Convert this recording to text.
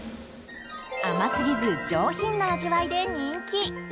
甘すぎず上品な味わいで人気。